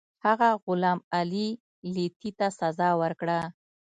هغه غلام علي لیتي ته سزا ورکړه.